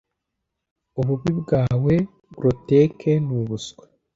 ububi bwawe bwa groteque nubuswa